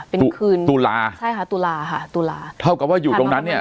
เป็นคืนตุลาใช่ค่ะตุลาค่ะตุลาเท่ากับว่าอยู่ตรงนั้นเนี่ย